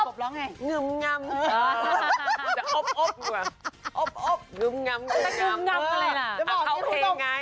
อบอบงึมงำ